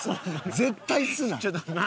絶対すな。